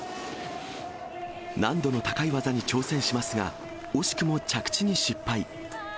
難度の高い技に挑戦しますが、惜しくも着地に失敗。